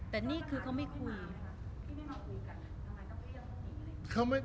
แต่นี่คือเขาไม่คุย